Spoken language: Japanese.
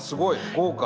豪華。